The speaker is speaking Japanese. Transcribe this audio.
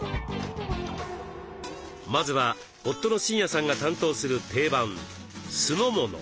まずは夫の真也さんが担当する定番酢の物。